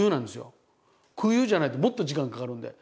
空輸じゃないともっと時間かかるんで。